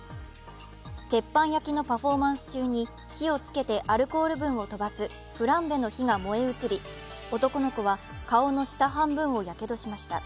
鉄板焼きのパフォーマンス中に火をつけてアルコール分を飛ばすフランベの火が燃え移り、男の子は顔の下半分をやけどしました。